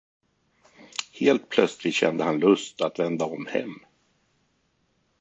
Helt plötsligt kände han lust att vända om hem.